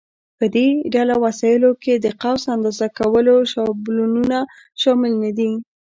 په دې ډله وسایلو کې د قوس اندازه کولو شابلونونه شامل نه دي.